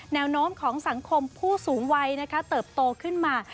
แนวโน้มของสังคมผู้สูงวัยเติบโตขึ้นมา